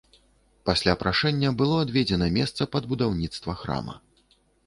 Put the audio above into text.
Пасля прашэння было адведзена месца пад будаўніцтва храма.